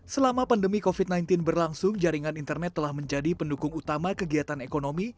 selama pandemi covid sembilan belas berlangsung jaringan internet telah menjadi pendukung utama kegiatan ekonomi